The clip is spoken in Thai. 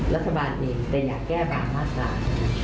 รัฐบาลเองแต่อยากแก้บางมากกว่า